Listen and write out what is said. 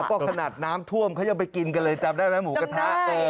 ก็ขนาดน้ำท่วมเขายังไปกินกันเลยจำได้ไหมหมูกระทะ